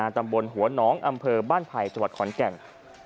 ตำบลหัวน้องอำเภอบ้านไผ่จังหวัดขอนแก่น